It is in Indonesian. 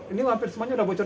ini hampir semuanya udah bocor